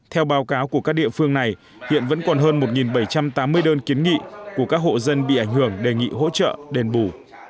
theo báo cáo của các địa phương này hiện vẫn còn hơn một bảy trăm tám mươi đơn kiến nghị của các hộ dân bị ảnh hưởng đề nghị hỗ trợ đền bù